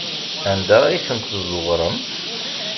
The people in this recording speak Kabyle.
Anda ay ten-tezzuɣrem?